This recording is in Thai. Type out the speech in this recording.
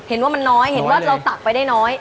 เห็นว่ามันน้อยเห็นว่าเราตักไปได้น้อย